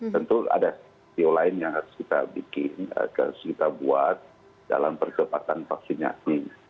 tentu ada video lain yang harus kita bikin harus kita buat dalam persepatan vaksinasi